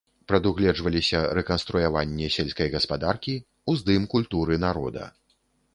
Прадугледжваліся рэканструяванне сельскай гаспадаркі, уздым культуры народа.